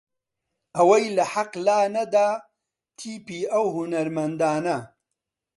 ئەوەی لە حەق لا نەدا تیپی ئەو هونەرمەندانە